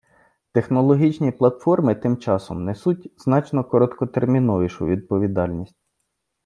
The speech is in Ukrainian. Технологічні платформи, тим часом, несуть значно короткотерміновішу відповідальність.